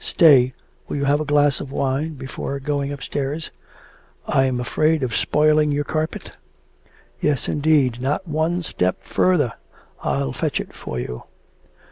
Stay, will you have a glass of wine before going upstairs?' 'I am afraid of spoiling your carpet.' 'Yes, indeed! not one step further! I'll fetch it for you.'